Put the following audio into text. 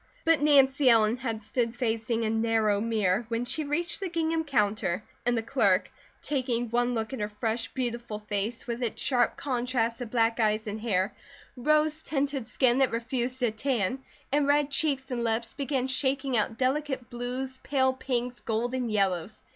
But Nancy Ellen had stood facing a narrow mirror when she reached the gingham counter and the clerk, taking one look at her fresh, beautiful face with its sharp contrasts of black eyes and hair, rose tinted skin that refused to tan, and red cheeks and lips, began shaking out delicate blues, pale pinks, golden yellows.